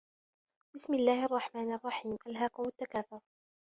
بِسمِ اللَّهِ الرَّحمنِ الرَّحيمِ أَلهاكُمُ التَّكاثُرُ